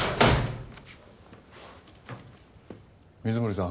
水森さん